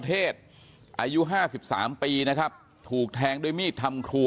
ที่เกิดเกิดเหตุอยู่หมู่๖บ้านน้ำผู้ตะมนต์ทุ่งโพนะครับที่เกิดเกิดเหตุอยู่หมู่๖บ้านน้ำผู้ตะมนต์ทุ่งโพนะครับ